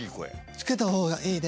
つけたほうがいい？